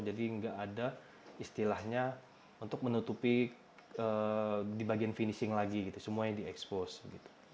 jadi nggak ada istilahnya untuk menutupi di bagian finishing lagi gitu semuanya di expose gitu